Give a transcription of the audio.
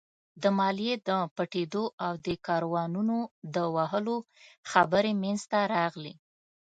د ماليې د پټېدو او د کاروانونو د وهلو خبرې مينځته راغلې.